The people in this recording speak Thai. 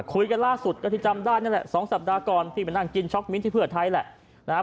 คุยกันล่าสุดก็ที่จำได้นั่นแหละ๒สัปดาห์ก่อนที่มานั่งกินช็อกมิ้นที่เพื่อไทยแหละนะครับ